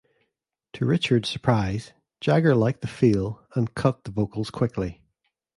To Richards's surprise, Jagger liked the feel and cut the vocals quickly.